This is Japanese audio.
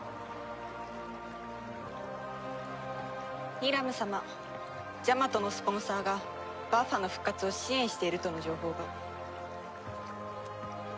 ニラム様ジャマトのスポンサーがバッファの復活を支援しているとの情報が。